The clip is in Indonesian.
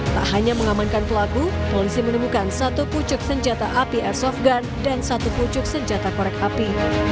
tak hanya mengamankan pelaku polisi menemukan satu pucuk senjata api airsoft gun dan satu pucuk senjata korek api